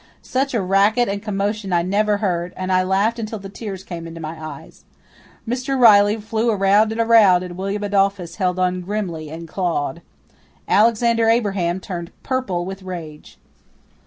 Such a racket and commotion I never heard, and I laughed until the tears came into my eyes. Mr. Riley flew around and around, and William Adolphus held on grimly and clawed. Alexander Abraham turned purple with rage.